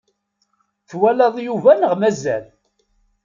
Twalaḍ Yuba neɣ mazal?